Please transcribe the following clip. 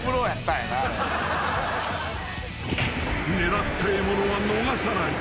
［狙った獲物は逃さない］